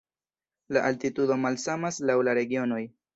La altitudo malsamas laŭ la regionoj.